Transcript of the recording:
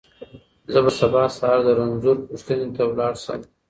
زه به سبا سهار د رنځور پوښتنې ته لاړ شم.